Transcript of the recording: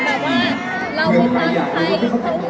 แต่ต้องยอมรักเป็นช่วงหลังนี้ก็ห่างจริง